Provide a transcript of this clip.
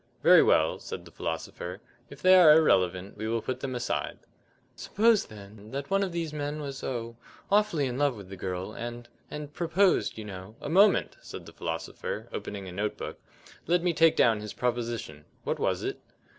"Very well," said the philosopher, "if they are irrelevant we will put them aside." "Suppose, then, that one of these men was, oh, awfully in love with the girl, and and proposed, you know " "A moment!" said the philosopher, opening a note book. "Let me take down his proposition. What was it?"